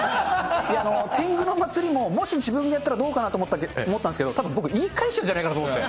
天狗の祭りも、もし自分がやったらどうかなと思ったんですけど、たぶん僕、言い返しちゃうんじゃないかなと思って。